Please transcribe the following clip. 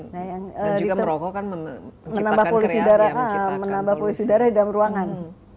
dan juga merokok kan menambah polusi udara di dalam ruangan